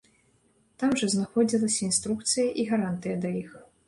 Там жа знаходзілася інструкцыя і гарантыя да іх.